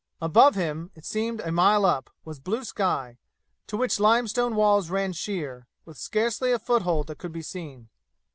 Above him, it seemed a mile up, was blue sky, to which limestone walls ran sheer, with scarcely a foothold that could be seen.